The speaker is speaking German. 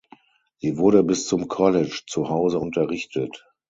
Sie wurde bis zum College zu Hause unterrichtet.